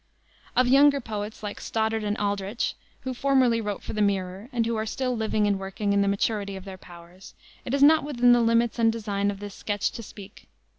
Of younger poets, like Stoddard and Aldrich, who formerly wrote for the Mirror and who are still living and working in the maturity of their powers, it is not within the limits and design of this sketch to speak.